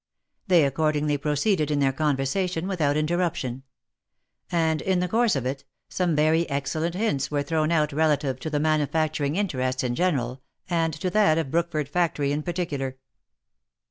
They accordingly proceeded in their conversation without interruption ; and in the course of it, some very excellent hints were thrown out OF MICHAEL ARMSTRONG. 79 relative to the manufacturing interests in general, and to that of Brook ford factory in particular.